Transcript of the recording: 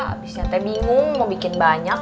abisnya teh bingung mau bikin banyak